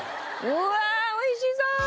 うわ美味しそう！